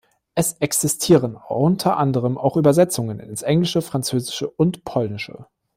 Es existieren unter anderem auch Übersetzungen ins Englische, Französische und Polnische.